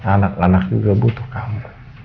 anak anak juga butuh kamar